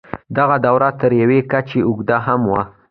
دغه دوره تر یوې کچې اوږده هم وه.